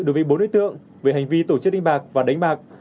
đối với bốn đối tượng về hành vi tổ chức đánh bạc và đánh bạc